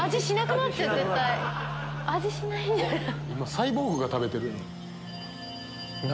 サイボーグが食べてる？